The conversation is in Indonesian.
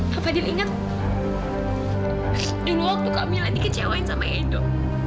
kak fadil ingat dulu waktu kak mila dikecewain sama edo